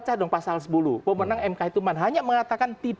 baca dong pasal sepuluh pemenang mk itu hanya mengatakan